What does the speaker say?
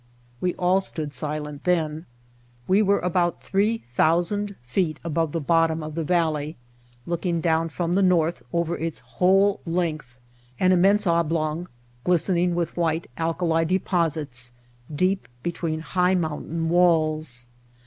We all stood silent then. We were about three thousand feet above the bottom of the valley looking down from the north over its whole length, an immense oblong, glistening with white, alkali deposits, deep between high mountain walls.